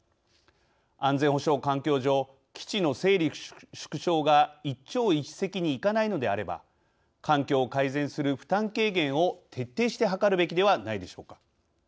安全保障環境上基地の整理・縮小が一朝一夕にいかないのであれば環境を改善する負担軽減を徹底して図るべきではないでしょうか。